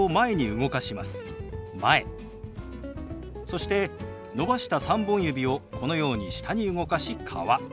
そして伸ばした３本指をこのように下に動かし「川」。